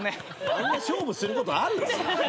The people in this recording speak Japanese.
あんな勝負することある？